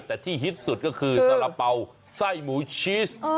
แต่ที่ฮิตสุดก็คือสาระเป๋าไส้หมูชีส